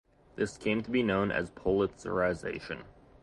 This came to be known as politzerisation.